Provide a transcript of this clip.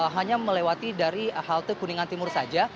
hanya melewati dari halte kuningan timur saja